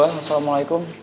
halo bang assalamualaikum